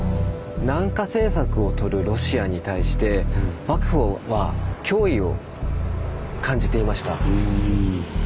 南下政策をとるロシアに対して幕府は脅威を感じていました。